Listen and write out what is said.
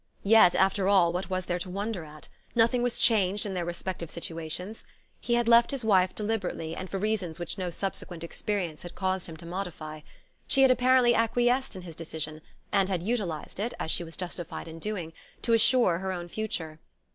Yet, after all, what was there to wonder at? Nothing was changed in their respective situations. He had left his wife, deliberately, and for reasons which no subsequent experience had caused him to modify. She had apparently acquiesced in his decision, and had utilized it, as she was justified in doing, to assure her own future.